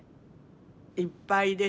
いっぱいです